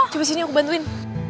coba sini aku bantuin